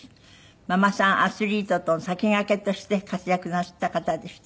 ママさんアスリートと先駆けとして活躍なすった方でした。